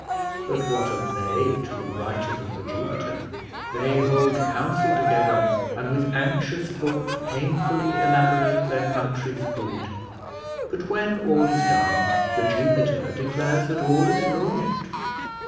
But what are they to the writers of The Jupiter? They hold council together and with anxious thought painfully elaborate their country's good; but when all is done, The Jupiter declares that all is naught.